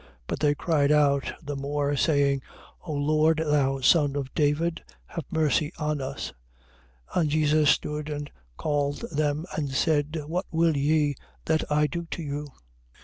But they cried out the more, saying: O Lord, thou son of David, have mercy on us. 20:32. And Jesus stood and called them and said: What will ye that I do to you?